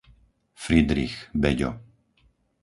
Fridrich, Beďo